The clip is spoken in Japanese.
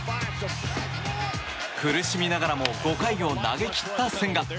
苦しみながらも５回を投げ切った千賀。